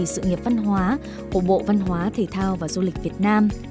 sự nghiệp văn hóa của bộ văn hóa thể thao và du lịch việt nam